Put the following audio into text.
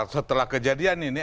setelah kejadian ini